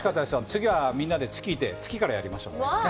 次はみんなで月からやりましょうね。